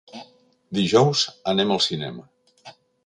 Dijous anem al cinema.